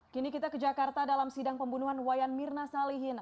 kini kita ke jakarta dalam sidang pembunuhan wayan mirna salihin